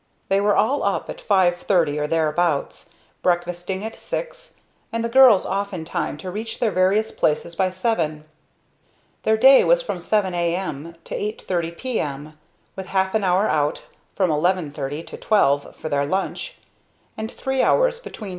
They were all up at five thirty or thereabouts, breakfasting at six, and the girls off in time to reach their various places by seven. Their day was from 7 A. M. to 8.30 P. M., with half an hour out, from 11.30 to twelve, for their lunch; and three hours, between 2.